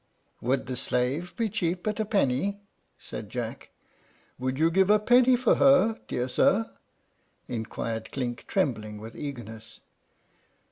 "Would the slave be cheap at a penny?" said Jack. "Would you give a penny for her, dear sir?" inquired Clink, trembling with eagerness.